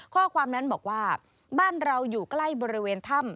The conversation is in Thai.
ข้อความนั้นบอกว่าบ้านเราอยู่ใกล้บริเวณถ้ำ